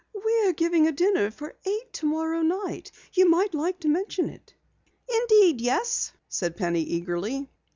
"We are giving a dinner for eight tomorrow night. You might like to mention it." "Indeed, yes," said Penny eagerly.